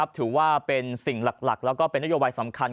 ถือว่าเป็นสิ่งหลักแล้วก็เป็นนโยบายสำคัญ